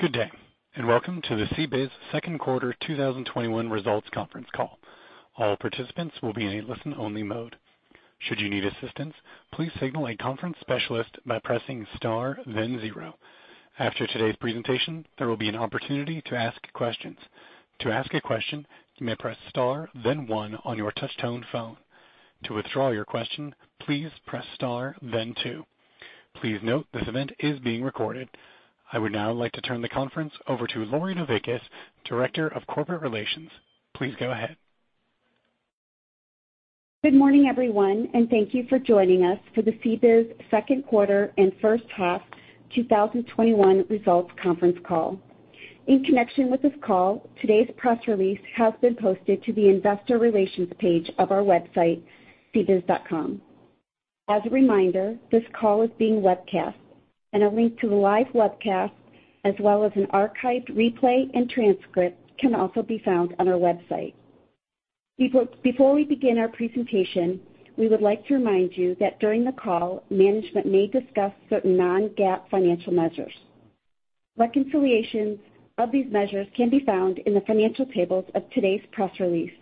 Good day, and welcome to the CBIZ Q2 2021 Results Conference Call. All participants will be in a listen-only mode. Should you need assistance, please signal a conference specialist by pressing star then zero. After today's presentation, there will be an opportunity to ask questions. To ask a question, you may press star then one on your touch-tone phone. To withdraw your question, please press star then two. Please note this event is being recorded. I would now like to turn the conference over to Lori Novickis, Director of Corporate Relations. Please go ahead. Good morning, everyone, and thank you for joining us for the CBIZ second quarter and first half 2021 Results Conference Call. In connection with this call, today's press release has been posted to the investor relations page of our website, cbiz.com. As a reminder, this call is being webcast, and a link to the live webcast, as well as an archived replay and transcript, can also be found on our website. Before we begin our presentation, we would like to remind you that during the call, management may discuss certain non-GAAP financial measures. Reconciliations of these measures can be found in the financial tables of today's press release,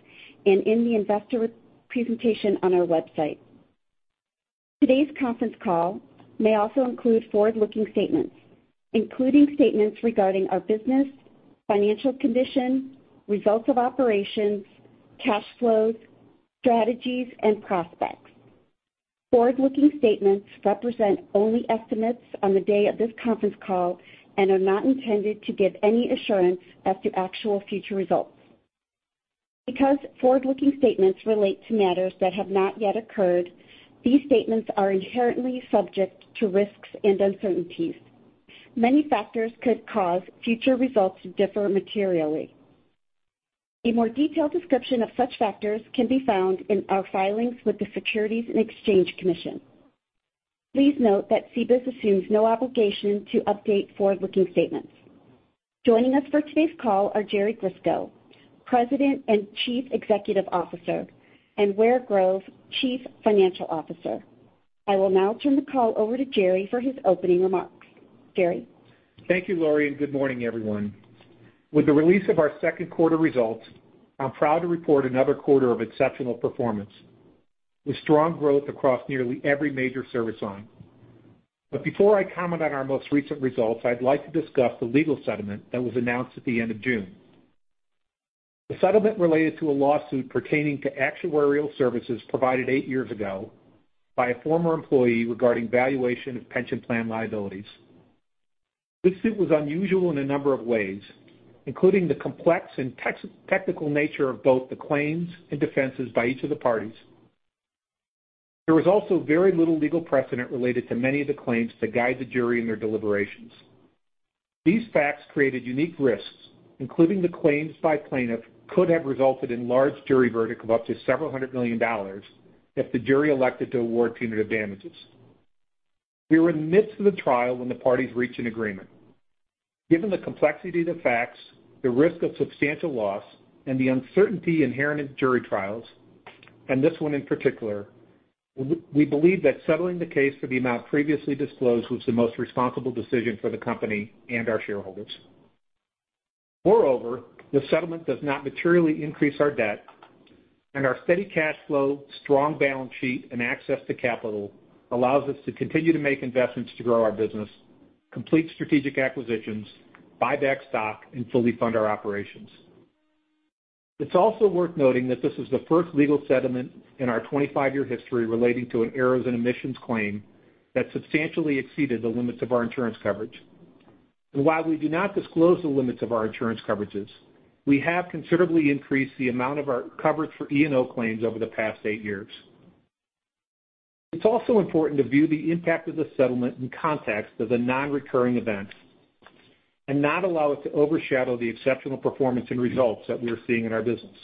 and in the investor presentation on our website. Today's conference call may also include forward-looking statements, including statements regarding our business, financial condition, results of operations, cash flows, strategies, and prospects. Forward-looking statements represent only estimates on the day of this conference call and are not intended to give any assurance as to actual future results. Because forward-looking statements relate to matters that have not yet occurred, these statements are inherently subject to risks and uncertainties. Many factors could cause future results to differ materially. A more detailed description of such factors can be found in our filings with the Securities and Exchange Commission. Please note that CBIZ assumes no obligation to update forward-looking statements. Joining us for today's call are Jerry Grisko, President and Chief Executive Officer, and Ware Grove, Chief Financial Officer. I will now turn the call over to Jerry for his opening remarks. Jerry? Thank you, Lori, and good morning, everyone. With the release of our second quarter results, I'm proud to report another quarter of exceptional performance with strong growth across nearly every major service line. Before I comment on our most recent results, I'd like to discuss the legal settlement that was announced at the end of June. The settlement related to a lawsuit pertaining to actuarial services provided eight years ago by a former employee regarding valuation of pension plan liabilities. This suit was unusual in a number of ways, including the complex and technical nature of both the claims and defenses by each of the parties. There was also very little legal precedent related to many of the claims to guide the jury in their deliberations. These facts created unique risks, including the claims by plaintiff could have resulted in large jury verdict of up to $several hundred million if the jury elected to award punitive damages. We were in the midst of the trial when the parties reached an agreement. Given the complexity of the facts, the risk of substantial loss, and the uncertainty inherent in jury trials, and this one in particular, we believe that settling the case for the amount previously disclosed was the most responsible decision for the company and our shareholders. Moreover, the settlement does not materially increase our debt, and our steady cash flow, strong balance sheet, and access to capital allows us to continue to make investments to grow our business, complete strategic acquisitions, buy back stock and fully fund our operations. It's also worth noting that this is the first legal settlement in our 25-year history relating to an errors and omissions claim that substantially exceeded the limits of our insurance coverage. While we do not disclose the limits of our insurance coverages, we have considerably increased the amount of our coverage for E&O claims over the past eight years. It's also important to view the impact of the settlement in context of a non-recurring event and not allow it to overshadow the exceptional performance and results that we are seeing in our business.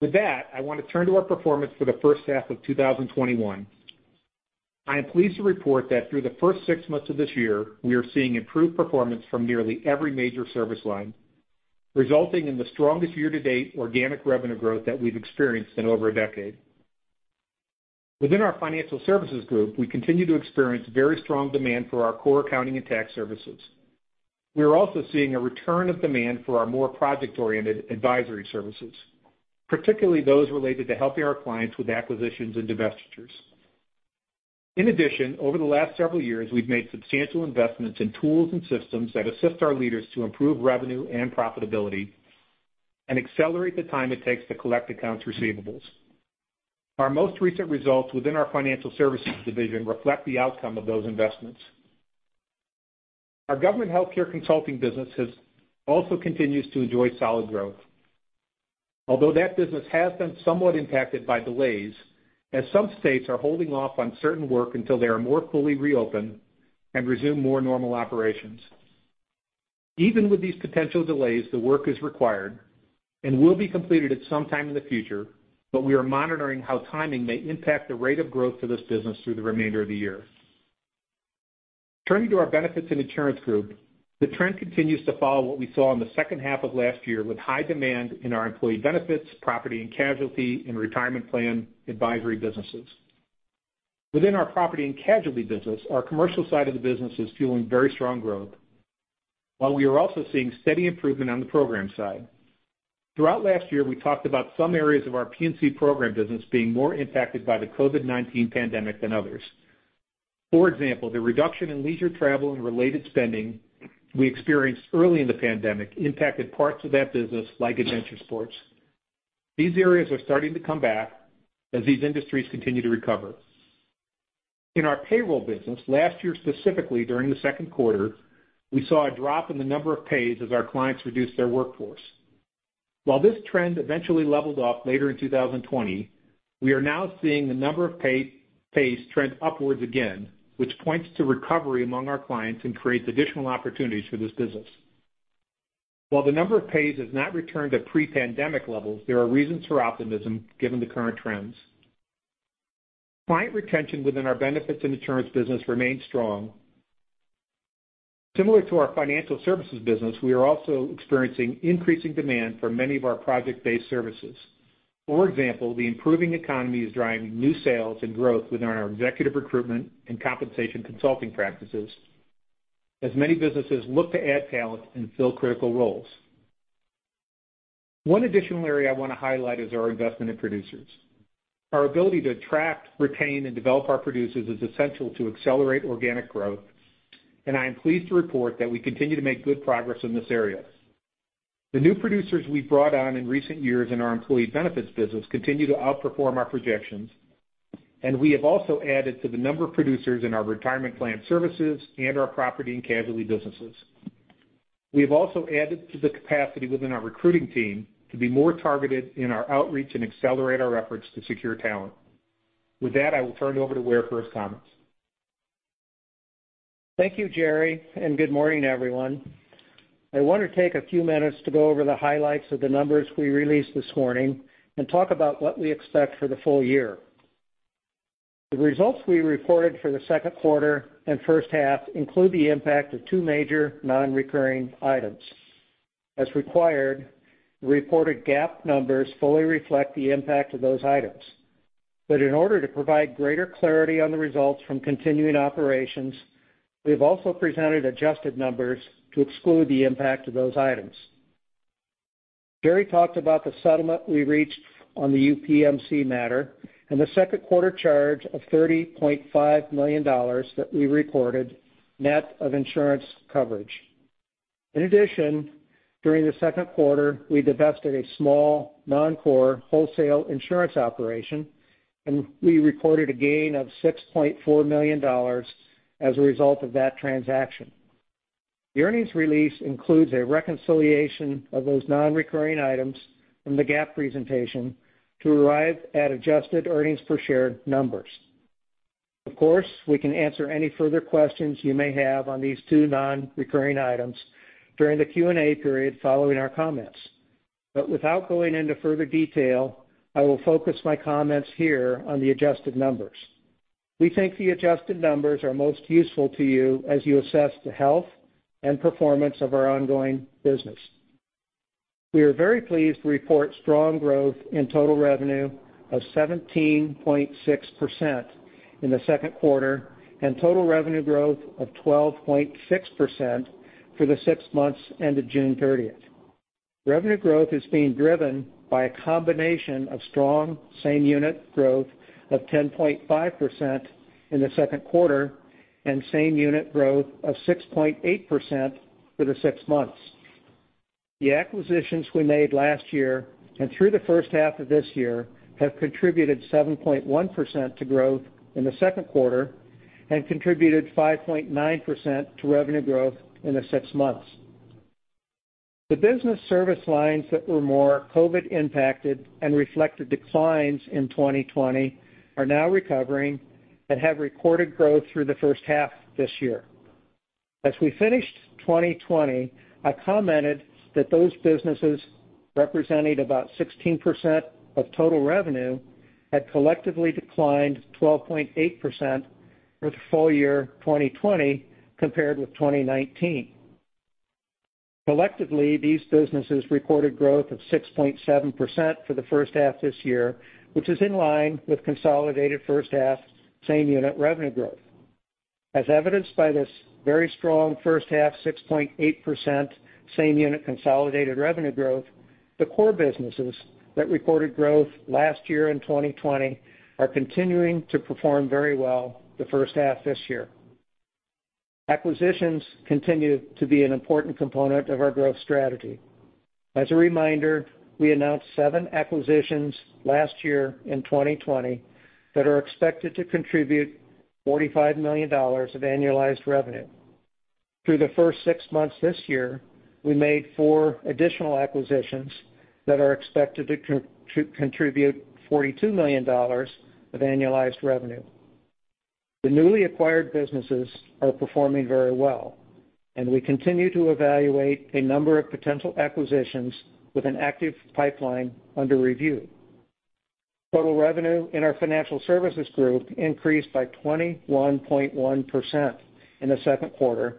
With that, I want to turn to our performance for the first half of 2021. I am pleased to report that through the first six months of this year, we are seeing improved performance from nearly every major service line, resulting in the strongest year-to-date organic revenue growth that we've experienced in over a decade. Within our financial services group, we continue to experience very strong demand for our core accounting and tax services. We are also seeing a return of demand for our more project-oriented advisory services, particularly those related to helping our clients with acquisitions and divestitures. In addition, over the last several years, we've made substantial investments in tools and systems that assist our leaders to improve revenue and profitability and accelerate the time it takes to collect accounts receivables. Our most recent results within our financial services division reflect the outcome of those investments. Our government healthcare consulting business also continues to enjoy solid growth. Although that business has been somewhat impacted by delays, as some states are holding off on certain work until they are more fully reopened and resume more normal operations. Even with these potential delays, the work is required and will be completed at some time in the future, but we are monitoring how timing may impact the rate of growth for this business through the remainder of the year. Turning to our benefits and insurance group, the trend continues to follow what we saw in the second half of last year, with high demand in our employee benefits, property and casualty, and retirement plan advisory businesses. Within our property and casualty business, our commercial side of the business is fueling very strong growth, while we are also seeing steady improvement on the program side. Throughout last year, we talked about some areas of our P&C program business being more impacted by the COVID-19 pandemic than others. For example, the reduction in leisure travel and related spending we experienced early in the pandemic impacted parts of that business like adventure sports. These areas are starting to come back as these industries continue to recover. In our payroll business, last year, specifically during the second quarter, we saw a drop in the number of pays as our clients reduced their workforce. While this trend eventually leveled off later in 2020, we are now seeing the number of pays trend upwards again, which points to recovery among our clients and creates additional opportunities for this business. While the number of pays has not returned to pre-pandemic levels, there are reasons for optimism given the current trends. Client retention within our benefits and insurance business remains strong. Similar to our financial services business, we are also experiencing increasing demand for many of our project-based services. For example, the improving economy is driving new sales and growth within our executive recruitment and compensation consulting practices, as many businesses look to add talent and fill critical roles. One additional area I want to highlight is our investment in producers. Our ability to attract, retain, and develop our producers is essential to accelerate organic growth, and I am pleased to report that we continue to make good progress in this area. The new producers we've brought on in recent years in our employee benefits business continue to outperform our projections, and we have also added to the number of producers in our retirement plan services and our P&C businesses. We have also added to the capacity within our recruiting team to be more targeted in our outreach and accelerate our efforts to secure talent. With that, I will turn it over to Ware for his comments. Thank you, Jerry. Good morning, everyone. I want to take a few minutes to go over the highlights of the numbers we released this morning and talk about what we expect for the full year. The results we reported for the second quarter and first half include the impact of two major non-recurring items. As required, the reported GAAP numbers fully reflect the impact of those items. In order to provide greater clarity on the results from continuing operations, we've also presented adjusted numbers to exclude the impact of those items. Jerry talked about the settlement we reached on the UPMC matter and the second quarter charge of $30.5 million that we reported, net of insurance coverage. In addition, during the second quarter, we divested a small non-core wholesale insurance operation, and we reported a gain of $6.4 million as a result of that transaction. The earnings release includes a reconciliation of those non-recurring items from the GAAP presentation to arrive at adjusted earnings per share numbers. Of course, we can answer any further questions you may have on these two non-recurring items during the Q&A period following our comments. But without going into further detail, I will focus my comments here on the adjusted numbers. We think the adjusted numbers are most useful to you as you assess the health and performance of our ongoing business. We are very pleased to report strong growth in total revenue of 17.6% in the second quarter, and total revenue growth of 12.6% for the six months ended June 30th. Revenue growth is being driven by a combination of strong same unit growth of 10.5% in the second quarter, and same unit growth of 6.8% for the six months. The acquisitions we made last year and through the first half of this year have contributed 7.1% to growth in the second quarter and contributed 5.9% to revenue growth in the six months. The business service lines that were more COVID impacted and reflected declines in 2020 are now recovering and have recorded growth through the first half this year. As we finished 2020, I commented that those businesses, representing about 16% of total revenue, had collectively declined 12.8% for the full year 2020 compared with 2019. Collectively, these businesses recorded growth of 6.7% for the first half this year, which is in line with consolidated first half same unit revenue growth. As evidenced by this very strong first half 6.8% same unit consolidated revenue growth, the core businesses that recorded growth last year in 2020 are continuing to perform very well the first half this year. Acquisitions continue to be an important component of our growth strategy. As a reminder, we announced 7 acquisitions last year in 2020 that are expected to contribute $45 million of annualized revenue. Through the first six months this year, we made 4 additional acquisitions that are expected to contribute $42 million of annualized revenue. The newly acquired businesses are performing very well, and we continue to evaluate a number of potential acquisitions with an active pipeline under review. Total revenue in our financial services group increased by 21.1% in the second quarter,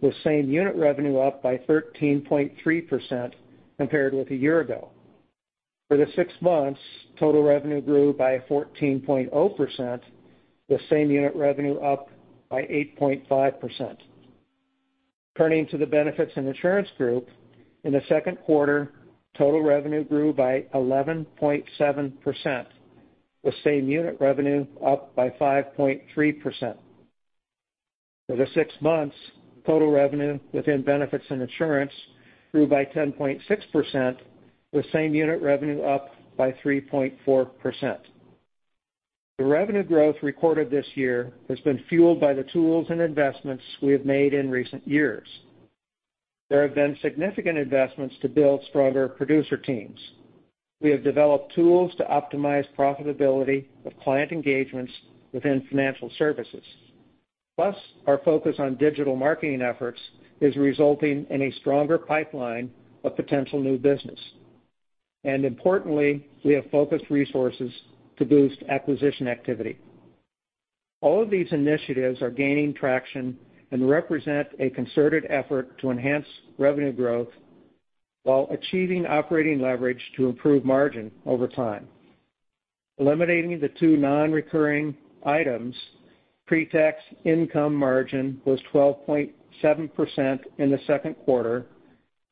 with same unit revenue up by 13.3% compared with a year ago. For the six months, total revenue grew by 14.0%, with same unit revenue up by 8.5%. Turning to the Benefits and Insurance group, in the second quarter, total revenue grew by 11.7%, with same unit revenue up by 5.3%. For the six months, total revenue within Benefits and Insurance grew by 10.6%, with same unit revenue up by 3.4%. The revenue growth recorded this year has been fueled by the tools and investments we have made in recent years. There have been significant investments to build stronger producer teams. We have developed tools to optimize profitability of client engagements within financial services. Plus, our focus on digital marketing efforts is resulting in a stronger pipeline of potential new business. Importantly, we have focused resources to boost acquisition activity. All of these initiatives are gaining traction and represent a concerted effort to enhance revenue growth while achieving operating leverage to improve margin over time. Eliminating the two non-recurring items, pre-tax income margin was 12.7% in the second quarter,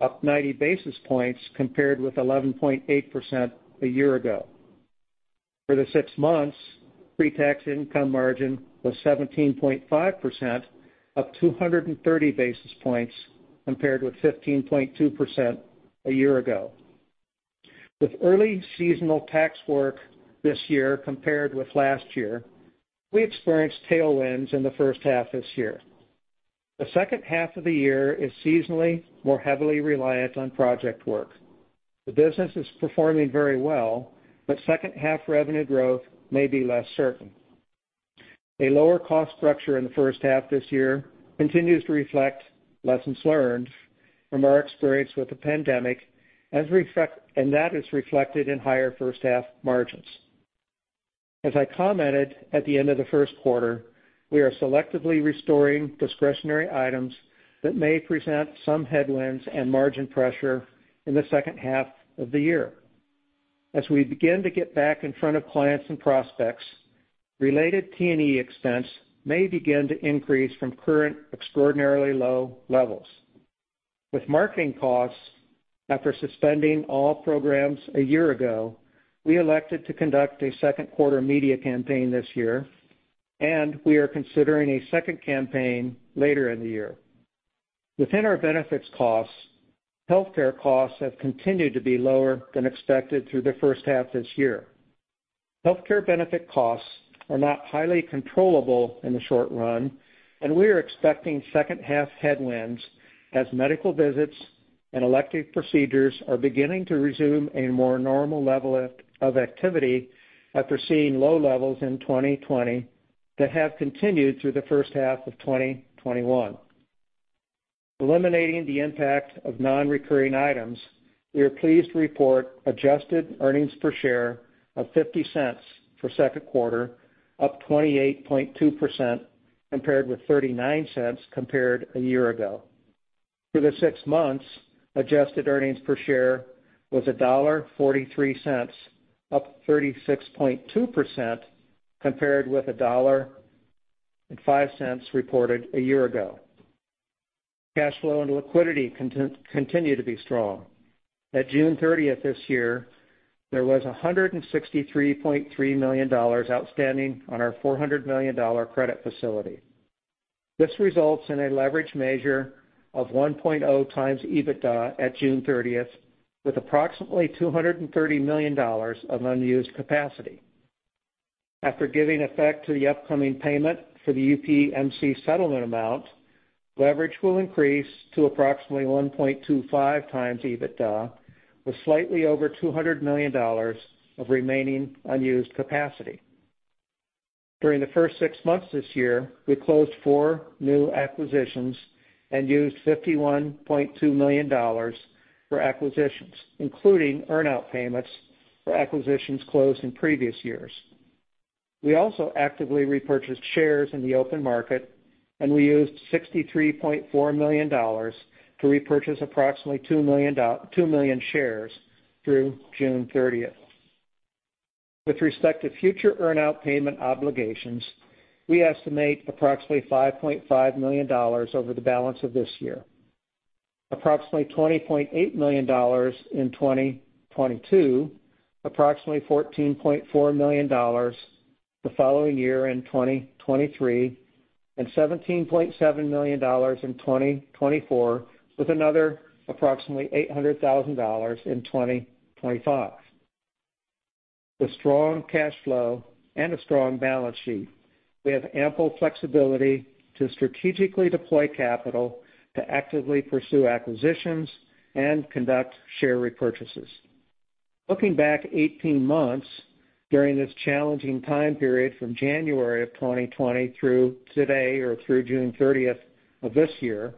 up 90 basis points compared with 11.8% a year ago. For the six months, pre-tax income margin was 17.5%, up 230 basis points compared with 15.2% a year ago. With early seasonal tax work this year compared with last year, we experienced tailwinds in the first half this year. The second half of the year is seasonally more heavily reliant on project work. The business is performing very well, but second half revenue growth may be less certain. A lower cost structure in the first half this year continues to reflect lessons learned from our experience with the pandemic, and that is reflected in higher first half margins. As I commented at the end of the first quarter, we are selectively restoring discretionary items that may present some headwinds and margin pressure in the second half of the year. As we begin to get back in front of clients and prospects, related T&E expense may begin to increase from current extraordinarily low levels. With marketing costs, after suspending all programs a year ago, we elected to conduct a second quarter media campaign this year, and we are considering a second campaign later in the year. Within our benefits costs, healthcare costs have continued to be lower than expected through the first half this year. Healthcare benefit costs are not highly controllable in the short run, and we are expecting second half headwinds as medical visits and elective procedures are beginning to resume a more normal level of activity after seeing low levels in 2020 that have continued through the first half of 2021. Eliminating the impact of non-recurring items, we are pleased to report adjusted earnings per share of $0.50 for second quarter, up 28.2%, compared with $0.39 compared a year ago. For the six months, adjusted earnings per share was $1.43, up 36.2%, compared with $1.05 reported a year ago. Cash flow and liquidity continue to be strong. At June 30th this year, there was $163.3 million outstanding on our $400 million credit facility. This results in a leverage measure of 1.0 times EBITDA at June 30th, with approximately $230 million of unused capacity. After giving effect to the upcoming payment for the UPMC settlement amount, leverage will increase to approximately 1.25x EBITDA, with slightly over $200 million of remaining unused capacity. During the first six months this year, we closed four new acquisitions and used $51.2 million for acquisitions, including earn-out payments for acquisitions closed in previous years. We also actively repurchased shares in the open market, and we used $63.4 million to repurchase approximately two million shares through June 30th. With respect to future earn-out payment obligations, we estimate approximately $5.5 million over the balance of this year, approximately $20.8 million in 2022, approximately $14.4 million the following year in 2023, and $17.7 million in 2024, with another approximately $800,000 in 2025. With strong cash flow and a strong balance sheet, we have ample flexibility to strategically deploy capital to actively pursue acquisitions and conduct share repurchases. Looking back 18 months during this challenging time period from January of 2020 through today or through June 30th of this year,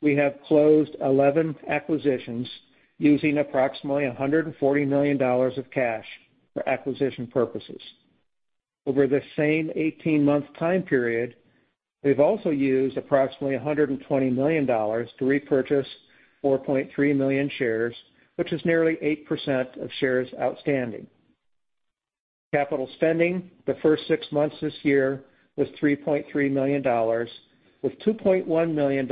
we have closed 11 acquisitions using approximately $140 million of cash for acquisition purposes. Over the same 18-month time period, we've also used approximately $120 million to repurchase 4.3 million shares, which is nearly 8% of shares outstanding. Capital spending the first six months this year was $3.3 million, with $2.1 million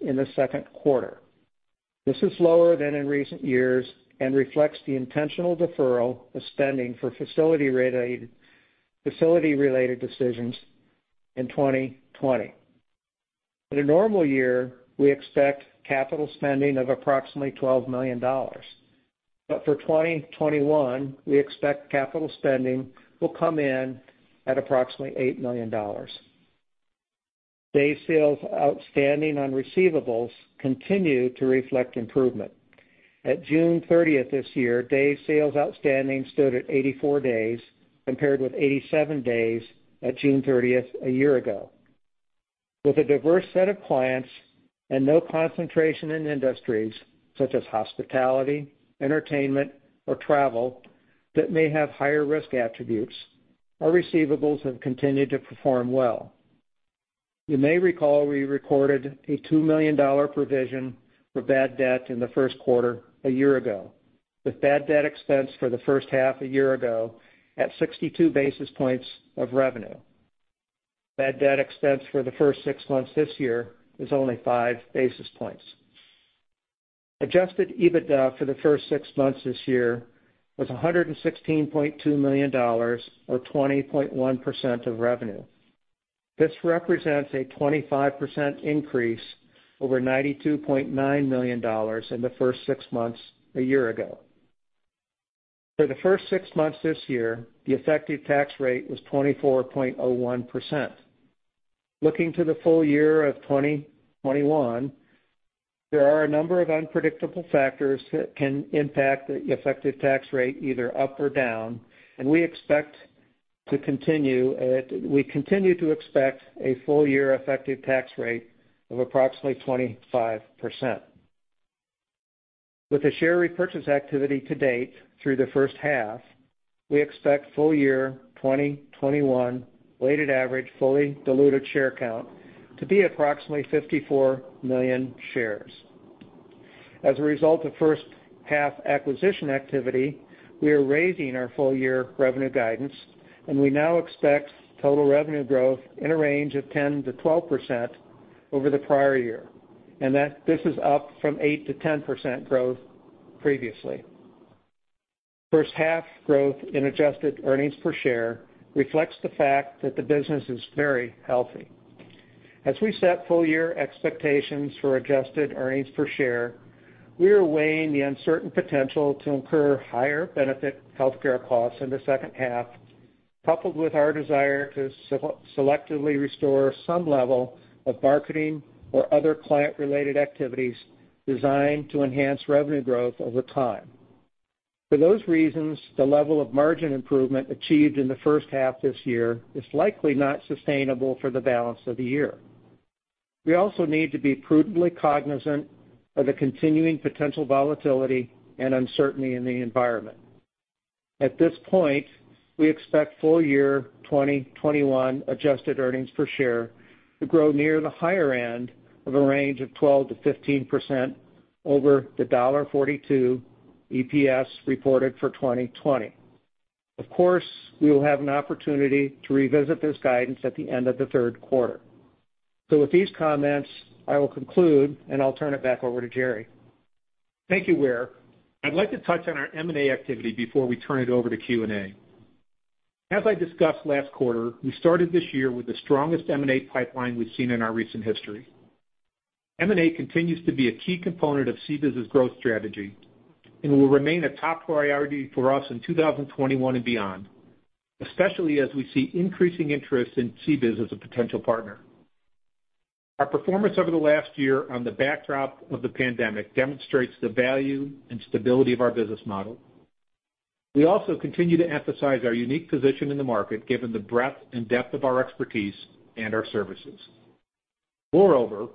in the second quarter. This is lower than in recent years and reflects the intentional deferral of spending for facility-related decisions in 2020. In a normal year, we expect capital spending of approximately $12 million. For 2021, we expect capital spending will come in at approximately $8 million. Day sales outstanding on receivables continue to reflect improvement. At June 30th this year, day sales outstanding stood at 84 days, compared with 87 days at June 30th a year ago. With a diverse set of clients and no concentration in industries such as hospitality, entertainment, or travel that may have higher risk attributes, our receivables have continued to perform well. You may recall we recorded a $2 million provision for bad debt in the first quarter a year ago, with bad debt expense for the first half a year ago at 62 basis points of revenue. Bad debt expense for the first six months this year is only 5 basis points. Adjusted EBITDA for the first six months this year was $116.2 million, or 20.1% of revenue. This represents a 25% increase over $92.9 million in the first six months a year ago. For the first six months this year, the effective tax rate was 24.01%. Looking to the full year of 2021, there are a number of unpredictable factors that can impact the effective tax rate either up or down, and we continue to expect a full year effective tax rate of approximately 25%. With the share repurchase activity to date through the first half, we expect full year 2021 weighted average fully diluted share count to be approximately 54 million shares. As a result of first half acquisition activity, we are raising our full year revenue guidance, and we now expect total revenue growth in a range of 10%-12% over the prior year, and this is up from 8%-10% growth previously. First half growth in adjusted earnings per share reflects the fact that the business is very healthy. As we set full year expectations for adjusted earnings per share, we are weighing the uncertain potential to incur higher benefit healthcare costs in the second half, coupled with our desire to selectively restore some level of marketing or other client-related activities designed to enhance revenue growth over time. For those reasons, the level of margin improvement achieved in the first half this year is likely not sustainable for the balance of the year. We also need to be prudently cognizant of the continuing potential volatility and uncertainty in the environment. At this point, we expect full year 2021 adjusted earnings per share to grow near the higher end of a range of 12%-15% over the $1.42 EPS reported for 2020. Of course, we will have an opportunity to revisit this guidance at the end of the third quarter. With these comments, I will conclude, and I'll turn it back over to Jerry. Thank you, Ware. I'd like to touch on our M&A activity before we turn it over to Q&A. As I discussed last quarter, we started this year with the strongest M&A pipeline we've seen in our recent history. M&A continues to be a key component of CBIZ's growth strategy and will remain a top priority for us in 2021 and beyond, especially as we see increasing interest in CBIZ as a potential partner. Our performance over the last year on the backdrop of the pandemic demonstrates the value and stability of our business model. We also continue to emphasize our unique position in the market, given the breadth and depth of our expertise and our services. Moreover,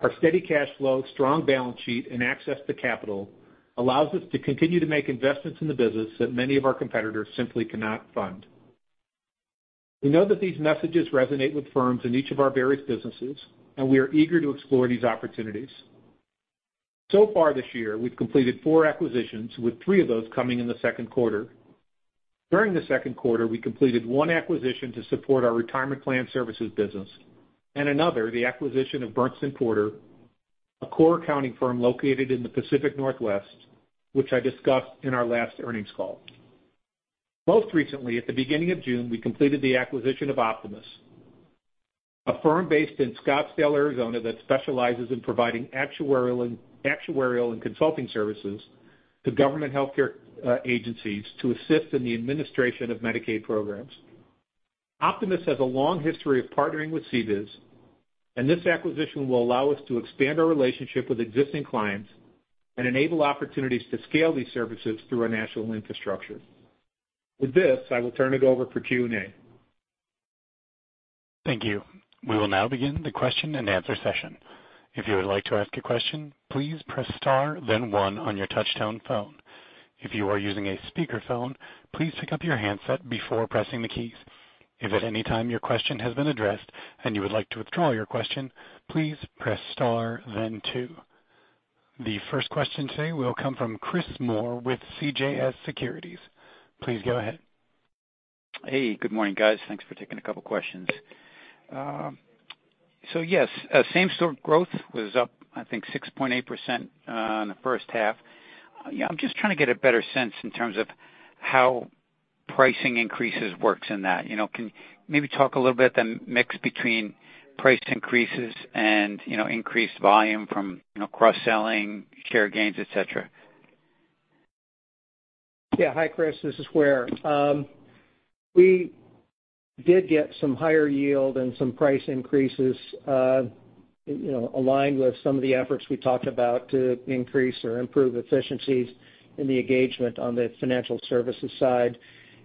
our steady cash flow, strong balance sheet, and access to capital allows us to continue to make investments in the business that many of our competitors simply cannot fund. We know that these messages resonate with firms in each of our various businesses, and we are eager to explore these opportunities. Far this year, we've completed four acquisitions, with three of those coming in the second quarter. During the second quarter, we completed one acquisition to support our retirement plan services business, and another, the acquisition of Berntson Porter, a core accounting firm located in the Pacific Northwest, which I discussed in our last earnings call. Most recently, at the beginning of June, we completed the acquisition of Optumas, a firm based in Scottsdale, Arizona, that specializes in providing actuarial and consulting services to government healthcare agencies to assist in the administration of Medicaid programs. Optumas has a long history of partnering with CBIZ, and this acquisition will allow us to expand our relationship with existing clients and enable opportunities to scale these services through our national infrastructure. With this, I will turn it over for Q&A. Thank you. The first question today will come from Chris Moore with CJS Securities. Please go ahead. Hey, good morning, guys. Thanks for taking a couple of questions. Yes, same-store growth was up, I think 6.8% on the first half. I'm just trying to get a better sense in terms of how pricing increases works in that. Can you maybe talk a little bit the mix between price increases and increased volume from cross-selling, share gains, et cetera. Hi, Chris. This is Ware. We did get some higher yield and some price increases aligned with some of the efforts we talked about to increase or improve efficiencies in the engagement on the financial services side.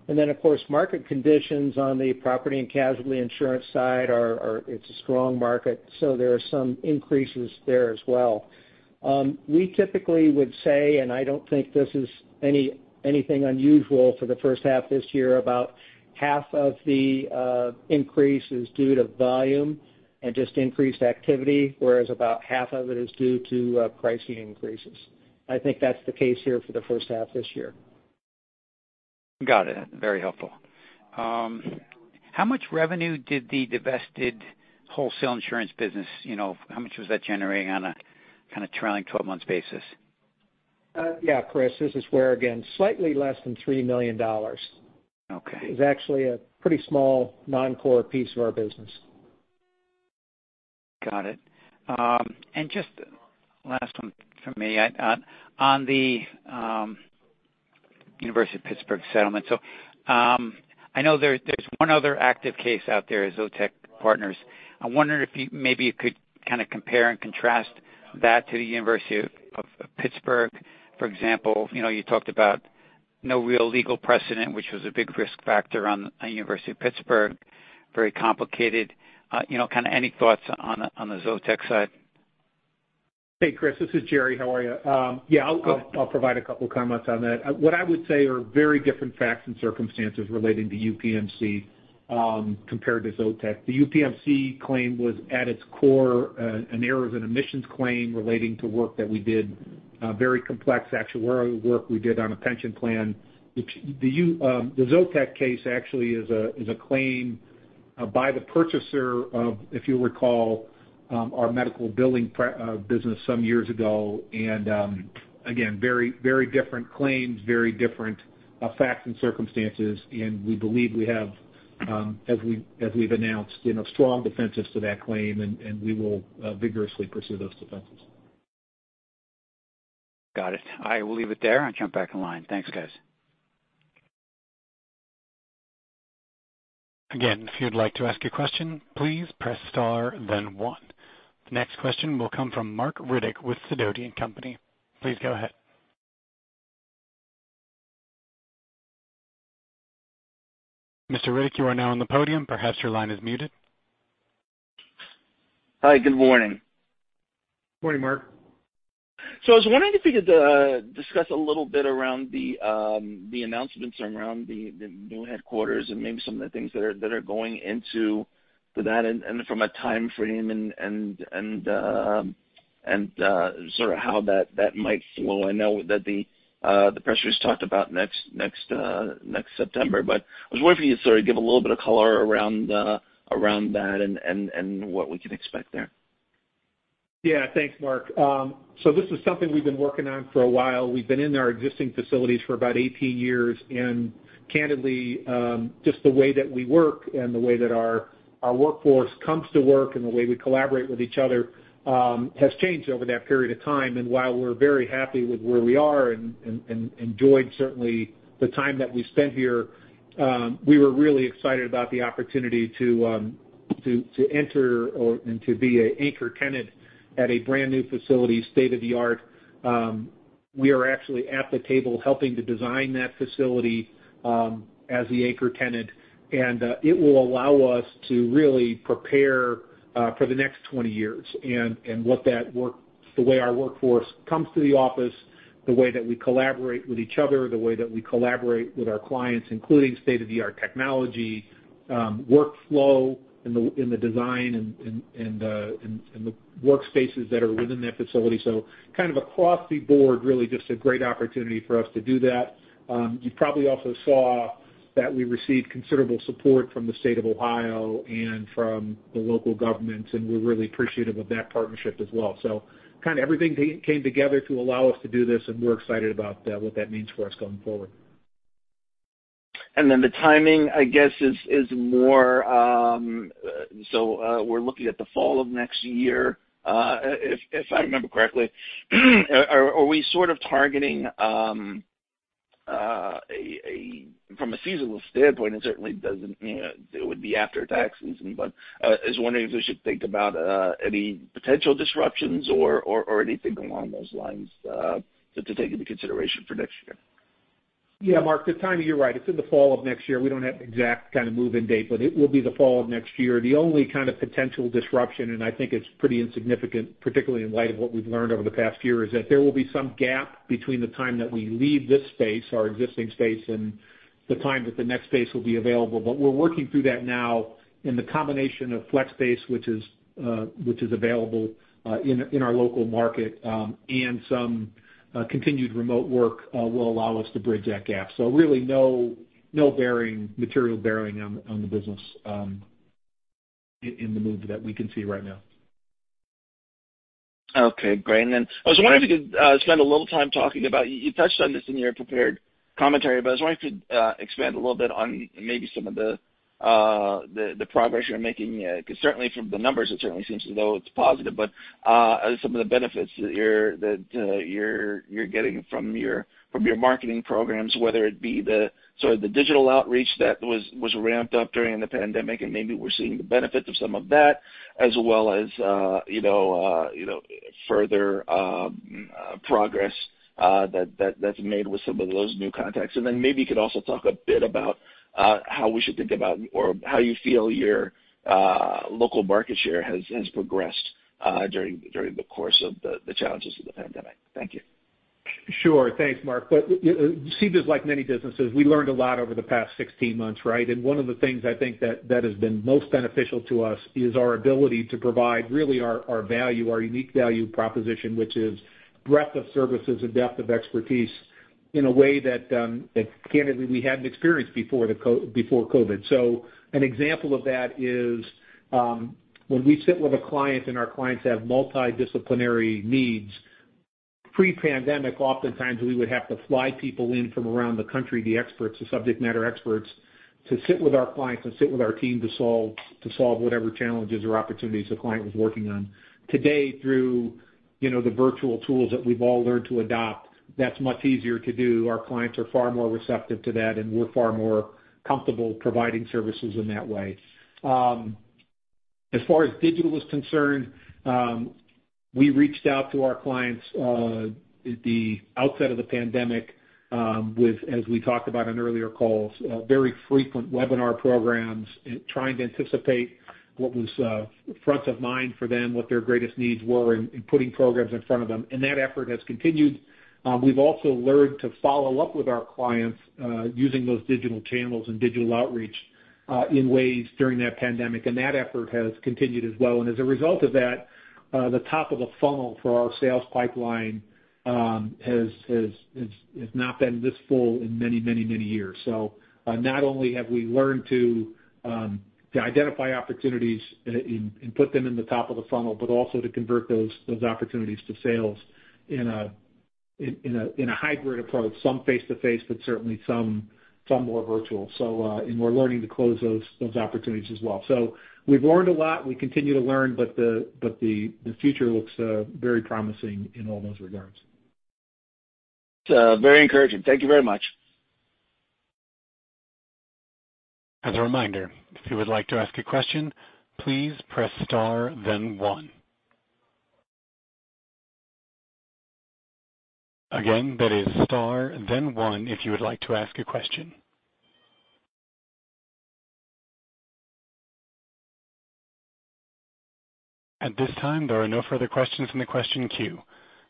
Of course, market conditions on the property and casualty insurance side are, it's a strong market, so there are some increases there as well. We typically would say, and I don't think this is anything unusual for the first half this year, about half of the increase is due to volume and just increased activity, whereas about half of it is due to pricing increases. I think that's the case here for the first half this year. Got it. Very helpful. How much revenue did the divested wholesale insurance business, how much was that generating on a trailing 12 months basis? Yeah, Chris, this is Ware again. Slightly less than $3 million. Okay. It was actually a pretty small non-core piece of our business. Got it. Just last one from me. On the UPMC settlement, I know there's one other active case out there, Zotec Partners. I wonder if maybe you could compare and contrast that to the UPMC. For example, you talked about no real legal precedent, which was a big risk factor on UPMC, very complicated. Any thoughts on the Zotec side? Hey, Chris, this is Jerry. How are you? Yeah, I'll provide a couple of comments on that. What I would say are very different facts and circumstances relating to UPMC, compared to Zotec. The UPMC claim was at its core, an errors and omissions claim relating to work that we did, very complex actuarial work we did on a pension plan. The Zotec case actually is a claim by the purchaser of, if you'll recall, our medical billing business some years ago. Again, very different claims, very different facts and circumstances, and we believe we have, as we've announced, strong defenses to that claim, and we will vigorously pursue those defenses. Got it. I will leave it there and jump back in line. Thanks, guys. The next question will come from Marc Riddick with Sidoti & Company. Please go ahead. Mr. Riddick, you are now on the podium. Perhaps your line is muted. Hi, good morning. Morning, Marc. I was wondering if you could discuss a little bit around the announcements around the new headquarters and maybe some of the things that are going into that and from a timeframe and how that might flow. I know that the press release talked about next September, but I was wondering if you'd give a little bit of color around that and what we can expect there. Yeah. Thanks, Marc. This is something we've been working on for a while. We've been in our existing facilities for about 18 years, and candidly, just the way that we work and the way that our workforce comes to work and the way we collaborate with each other has changed over that period of time. While we're very happy with where we are, and enjoyed certainly the time that we spent here, we were really excited about the opportunity and to be an anchor tenant at a brand-new facility, state-of-the-art. We are actually at the table helping to design that facility as the anchor tenant. It will allow us to really prepare for the next 20 years and the way our workforce comes to the office, the way that we collaborate with each other, the way that we collaborate with our clients, including state-of-the-art technology, workflow in the design and the workspaces that are within that facility. Across the board, really just a great opportunity for us to do that. You probably also saw that we received considerable support from the state of Ohio and from the local government. We're really appreciative of that partnership as well. Everything came together to allow us to do this. We're excited about what that means for us going forward. The timing, I guess, is more, so we're looking at the fall of next year, if I remember correctly. Are we targeting from a seasonal standpoint, it certainly doesn't, it would be after tax season, but I was wondering if we should think about any potential disruptions or anything along those lines to take into consideration for next year? Yeah, Marc, the timing, you're right. It's in the fall of next year. We don't have an exact kind of move-in date. It will be the fall of next year. The only kind of potential disruption, and I think it's pretty insignificant, particularly in light of what we've learned over the past year, is that there will be some gap between the time that we leave this space, our existing space, and the time that the next space will be available. We're working through that now in the combination of flex space, which is available in our local market, and some continued remote work will allow us to bridge that gap. Really no material bearing on the business in the move that we can see right now. Okay, great. I was wondering if you could spend a little time talking about, you touched on this in your prepared commentary, but I was wondering if you could expand a little bit on maybe some of the progress you're making. Because certainly from the numbers, it certainly seems as though it's positive, but some of the benefits that you're getting from your marketing programs, whether it be the sort of the digital outreach that was ramped up during the pandemic, and maybe we're seeing the benefits of some of that, as well as further progress that's made with some of those new contacts. Maybe you could also talk a bit about how we should think about or how you feel your local market share has progressed during the course of the challenges of the pandemic. Thank you. Sure. Thanks, Marc. CBIZ is like many businesses. We learned a lot over the past 16 months, right? One of the things I think that has been most beneficial to us is our ability to provide really our value, our unique value proposition, which is breadth of services and depth of expertise in a way that, candidly, we hadn't experienced before COVID. An example of that is when we sit with a client and our clients have multidisciplinary needs, pre-pandemic, oftentimes we would have to fly people in from around the country, the experts, the subject matter experts, to sit with our clients and sit with our team to solve whatever challenges or opportunities the client was working on. Today, through the virtual tools that we've all learned to adopt, that's much easier to do. Our clients are far more receptive to that, and we're far more comfortable providing services in that way. As far as digital is concerned, we reached out to our clients at the outset of the pandemic with, as we talked about on earlier calls, very frequent webinar programs trying to anticipate what was front of mind for them, what their greatest needs were, and putting programs in front of them. That effort has continued. We've also learned to follow up with our clients using those digital channels and digital outreach in ways during that pandemic, and that effort has continued as well. As a result of that, the top of the funnel for our sales pipeline has not been this full in many years. Not only have we learned to identify opportunities and put them in the top of the funnel, but also to convert those opportunities to sales in a hybrid approach, some face-to-face, but certainly some more virtual. We're learning to close those opportunities as well. We've learned a lot. We continue to learn, but the future looks very promising in all those regards. It's very encouraging. Thank you very much. At this time, there are no further questions in the question queue.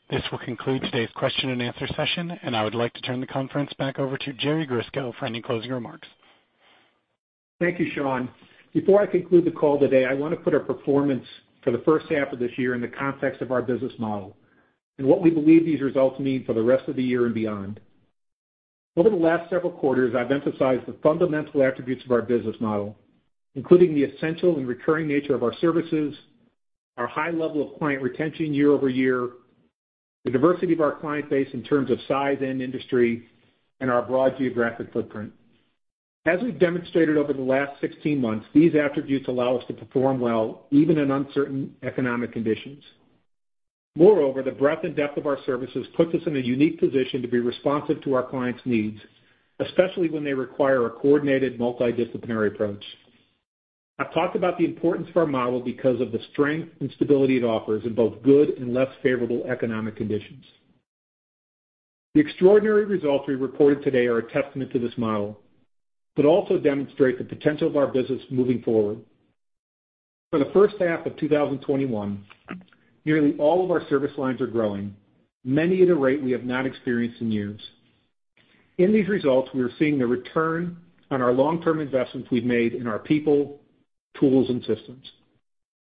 This will conclude today's question and answer session. I would like to turn the conference back over to Jerry Grisko for any closing remarks. Thank you, Sean. Before I conclude the call today, I want to put our performance for the first half of this year in the context of our business model and what we believe these results mean for the rest of the year and beyond. Over the last several quarters, I've emphasized the fundamental attributes of our business model, including the essential and recurring nature of our services, our high level of client retention year-over-year, the diversity of our client base in terms of size and industry, and our broad geographic footprint. As we've demonstrated over the last 16 months, these attributes allow us to perform well even in uncertain economic conditions. Moreover, the breadth and depth of our services puts us in a unique position to be responsive to our clients' needs, especially when they require a coordinated multidisciplinary approach. I've talked about the importance of our model because of the strength and stability it offers in both good and less favorable economic conditions. The extraordinary results we reported today are a testament to this model, but also demonstrate the potential of our business moving forward. For the first half of 2021, nearly all of our service lines are growing, many at a rate we have not experienced in years. In these results, we are seeing the return on our long-term investments we've made in our people, tools, and systems.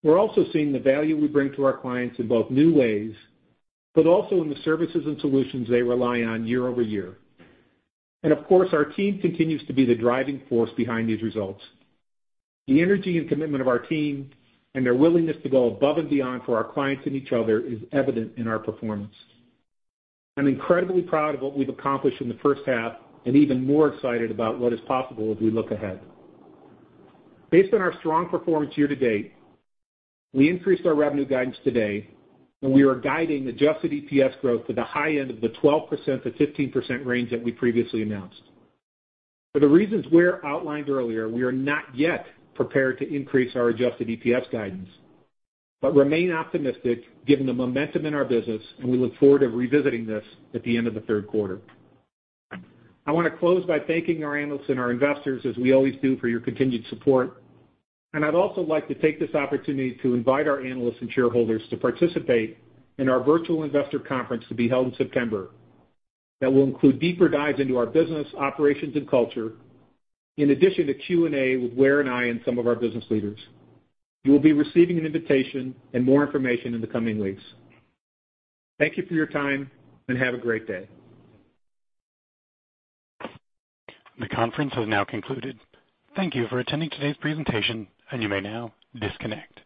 We're also seeing the value we bring to our clients in both new ways, but also in the services and solutions they rely on year-over-year. Of course, our team continues to be the driving force behind these results. The energy and commitment of our team and their willingness to go above and beyond for our clients and each other is evident in our performance. I'm incredibly proud of what we've accomplished in the first half and even more excited about what is possible as we look ahead. Based on our strong performance year to date, we increased our revenue guidance today, and we are guiding adjusted EPS growth to the high end of the 12%-15% range that we previously announced. For the reasons Ware outlined earlier, we are not yet prepared to increase our adjusted EPS guidance, but remain optimistic given the momentum in our business, and we look forward to revisiting this at the end of the third quarter. I want to close by thanking our analysts and our investors as we always do, for your continued support. I'd also like to take this opportunity to invite our analysts and shareholders to participate in our virtual investor conference to be held in September. That will include deeper dives into our business operations and culture, in addition to Q&A with Ware and I and some of our business leaders. You will be receiving an invitation and more information in the coming weeks. Thank you for your time, and have a great day. The conference has now concluded. Thank you for attending today's presentation, and you may now disconnect.